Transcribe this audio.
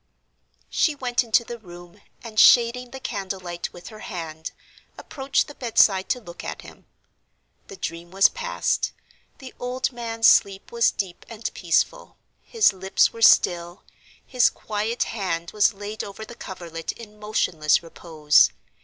She went into the room, and, shading the candle light with her hand, approached the bedside to look at him. The dream was past; the old man's sleep was deep and peaceful; his lips were still; his quiet hand was laid over the coverlet in motionless repose.